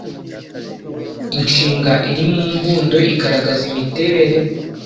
Inshinga iri mu mbundo igaragaza imiterere,